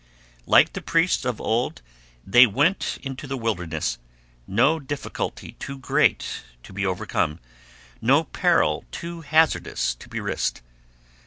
Like the priests of old they went into the wilderness, no difficulty too great to be overcome, no peril too hazardous to be risked.